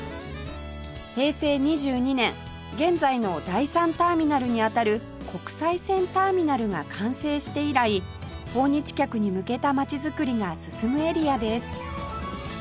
平成２２年現在の第３ターミナルにあたる国際線ターミナルが完成して以来訪日客に向けた街づくりが進むエリアです